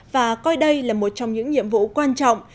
và coi đây là một trong những nhiệm vụ quan trọng